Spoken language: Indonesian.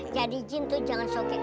jadi jin tuh jangan sokek